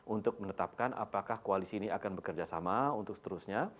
untuk menetapkan apakah koalisi ini akan bekerjasama untuk seterusnya